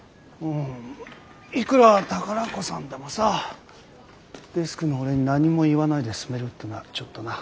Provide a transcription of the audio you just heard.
いくら宝子さんでもさデスクの俺に何も言わないで進めるってのはちょっとなあ。